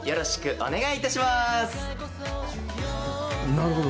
なるほど。